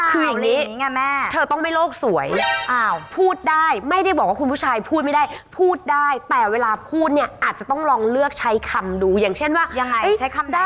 คืออย่างนี้เธอต้องไม่โลกสวยพูดได้ไม่ได้บอกว่าคุณผู้ชายพูดไม่ได้พูดได้แต่เวลาพูดเนี่ยอาจจะต้องลองเลือกใช้คำดูอย่างเช่นว่ายังไงใช้คำได้